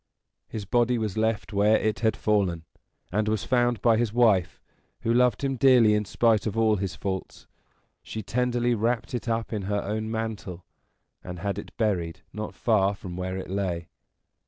His body was left where it had fallen, and was found by his wife, who loved him dearly in spite of all his faults. She tenderly wrapped it up in her own mantle, and had it buried not far from where it lay.